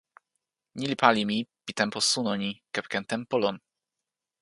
ni li pali mi pi tenpo suno ni, kepeken tenpo lon: